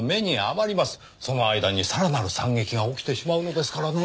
その間にさらなる惨劇が起きてしまうのですからねぇ。